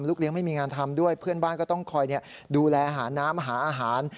เลี้ยงไม่มีงานทำด้วยเพื่อนบ้านก็ต้องคอยดูแลหาน้ำหาอาหาร